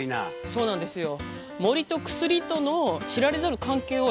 そうなんですよ。